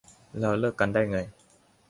แล้วเลิกกันได้ไง